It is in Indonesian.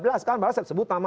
barangkali saya sebut nama